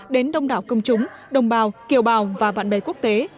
đến đông đảo công chúng đồng bào kiều bào và bạn bè quốc tế